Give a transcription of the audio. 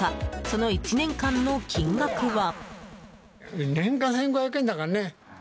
その１年間の金額は。